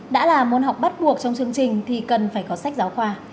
đã là môn học bắt buộc trong chương trình thì cần phải có sách giáo khoa